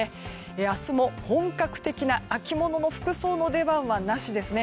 明日も本格的な秋物の服装の出番はなしですね。